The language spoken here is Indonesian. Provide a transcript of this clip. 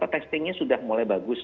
testingnya sudah mulai bagus